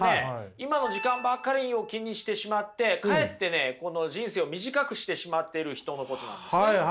今の時間ばかりを気にしてしまってかえってねこの人生を短くしてしまってる人のことなんですね。